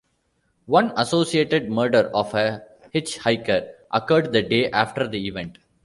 One "associated" murder of a hitchhiker occurred the day after the event.